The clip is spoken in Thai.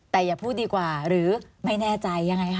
แต่อย่าพูดดีกว่าหรือไม่แน่ใจยังไงคะ